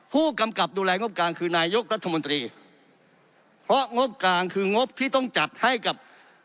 ผู้กำกับดูแลงบกลางคือนายกรัฐมนตรีเพราะงบกลางคืองบที่ต้องจัดให้กับ